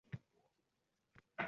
Bu bayotsiz yoʼq hayot!